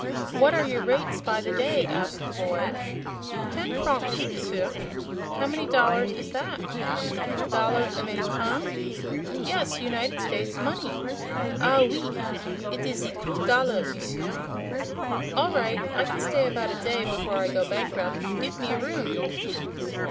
"What are your rates by the day?" asked the boy. "Ten francs, M'sieur." "How many dollars is that?" "Dollar Americaine?" "Yes; United States money." "Ah, OUI! Eet is ze two dollar, M'sieur." "All right; I can stay about a day before I go bankrupt. Give me a room."